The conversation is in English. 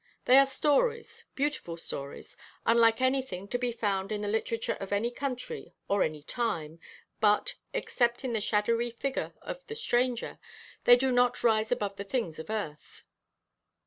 They are stories, beautiful stories, unlike anything to be found in the literature of any country or any time, but, except in the shadowy figure of "The Stranger," they do not rise above the things of earth.